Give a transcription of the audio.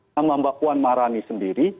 nama mbak puan marani sendiri